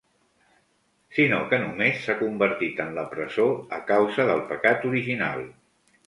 Sinó que només s'ha convertit en la presó a causa del pecat original.